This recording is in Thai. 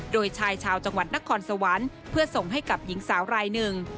โดยชายชาวจังหวัดนครสวรรค์เพื่อส่งให้กับหญิงสาวรายหนึ่ง